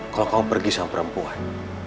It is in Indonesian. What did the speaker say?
kalau kamu pergi sama perempuan